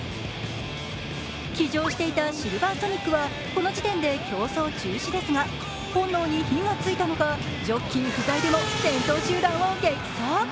騎乗していたシルヴァーソニックはこの時点で競争中止ですが本能に火が付いたのかジョッキー不在でも先頭集団を激走。